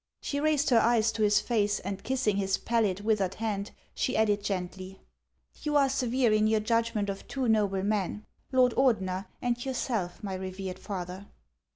She raised her eyes to his face, and kissing his pallid, withered hand, she added gently :" You are severe in your judgment of two noble men, Lord Ordener and yourself, my revered father."